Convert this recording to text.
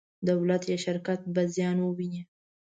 دولت یا شرکت به زیان وویني.